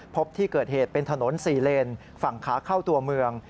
พบที่เกิดเหตุเป็นถนน๔เลนฝั่งขาเข้าตัวเมือง